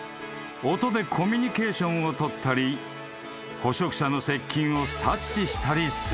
［音でコミュニケーションを取ったり捕食者の接近を察知したりする］